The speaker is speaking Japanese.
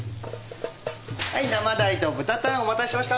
はい生大と豚タンお待たせしました！